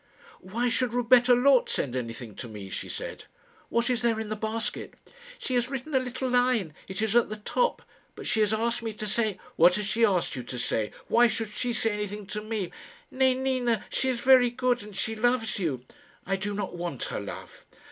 "Why should Rebecca Loth send anything to me?" she said. "What is there in the basket?" "She has written a little line. It is at the top. But she has asked me to say " "What has she asked you to say? Why should she say anything to me?" "Nay, Nina; she is very good, and she loves you." "I do not want her love."